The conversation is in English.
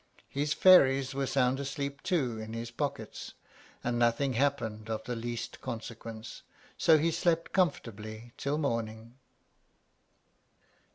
His fairies were sound asleep too in his pockets, and nothing happened of the least consequence; so he slept comfortably till morning.